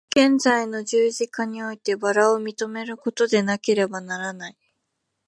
現在の十字架において薔薇を認めることでなければならない。